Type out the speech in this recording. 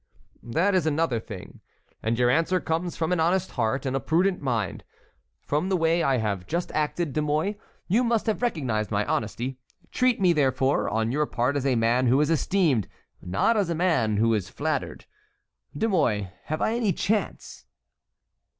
"That is another thing, and your answer comes from an honest heart and a prudent mind. From the way I have just acted, De Mouy, you must have recognized my honesty. Treat me, therefore, on your part as a man who is esteemed, not as a man who is flattered. De Mouy, have I any chance?"